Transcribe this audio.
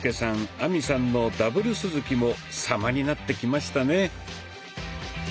亜美さんのＷ鈴木も様になってきましたね。